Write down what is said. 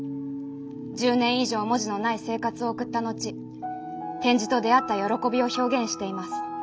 １０年以上文字のない生活を送った後点字と出会った喜びを表現しています。